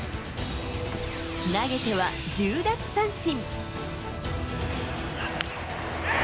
投げては１０奪三振。